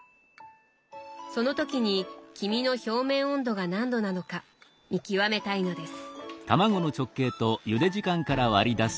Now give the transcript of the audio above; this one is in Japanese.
その時に黄身の表面温度が何度なのか見極めたいのです。